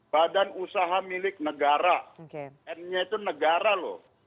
badan usaha milik negara n nya itu negara loh